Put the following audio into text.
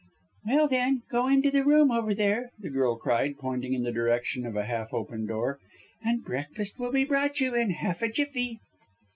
"Well, then, go into the room over there," the girl cried, pointing in the direction of a half open door, "and breakfast will be brought you in half a jiffy."